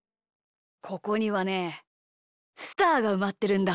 ここにはねスターがうまってるんだ。